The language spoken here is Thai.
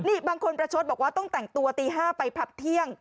นี่บางคนประชดบอกว่าต้องแต่งตัวตี๕ไปผับเที่ยง